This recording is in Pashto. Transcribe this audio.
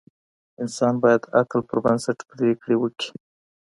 انسان باید د عقل پر بنسټ پریکړې وکړي.